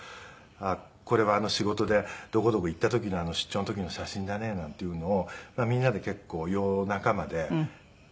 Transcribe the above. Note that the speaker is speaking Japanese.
これはあの仕事でどこどこ行った時のあの出張の時の写真だねなんていうのをみんなで結構夜中まで。